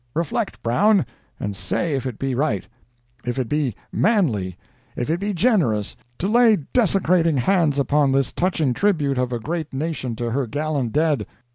Reflect, Brown, and say if it be right—if it be manly—if it be generous—to lay desecrating hands upon this touching tribute of a great nation to her gallant dead?